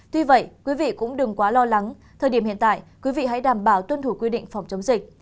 tuy vậy quý vị cũng đừng quá lo lắng thời điểm hiện tại quý vị hãy đảm bảo tuân thủ quy định phòng chống dịch